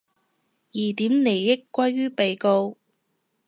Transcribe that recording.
疑點利益歸於被告